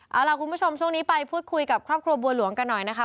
เอาล่ะคุณผู้ชมช่วงนี้ไปพูดคุยกับครอบครัวบัวหลวงกันหน่อยนะคะ